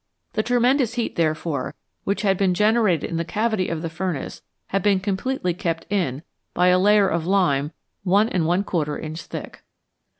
The tremendous heat, therefore, which had been generated in the cavity of the furnace had been completely kept in by a layer of lime 1J inch thick.